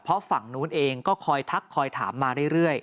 เพราะฝั่งนู้นเองก็คอยทักคอยถามมาเรื่อย